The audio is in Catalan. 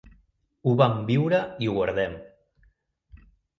Ho vam viure i ho guardem.